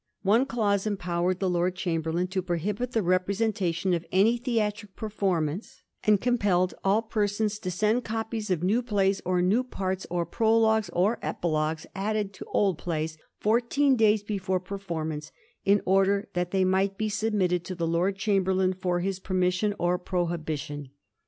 One clause empowered the Lord Chamberlain to prohibit the representation of any theatric performance, and compelled all persons to send copies of new plays, or new parts or prologues or epilogues added to old plays, fourteen days before performance, in order that they might be submitted to the Lord Chamberlain for his permission or prohibition.